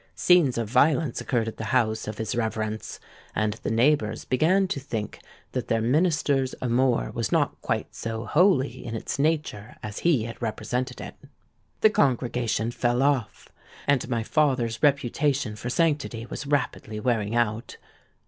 Scenes of violence occurred at the house of his Reverence; and the neighbours began to think that their minister's amour was not quite so holy in its nature as he had represented it. The congregation fell off; and my father's reputation for sanctity was rapidly wearing out.